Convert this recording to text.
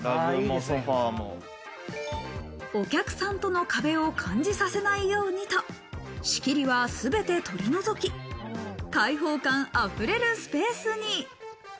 お客さんとの壁を感じさせないようにと、仕切りはすべて取り除き、開放感溢れるスペースに。